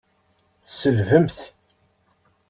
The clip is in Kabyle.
Tselbemt!